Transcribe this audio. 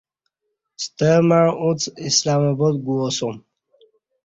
ستہ مع اݩڅ اسلام آباد گو اسوم